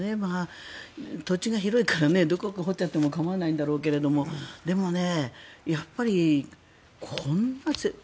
土地が広いからどこを掘っちゃっても構わないんだろうけどでもやっぱりこんな。